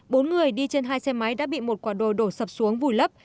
bốn người đi trên hai xe máy đã bị một quả đồi đổ sập xuống vùi lấp